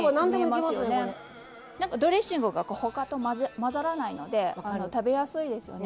ドレッシングが他と混ざらないので食べやすいですよね。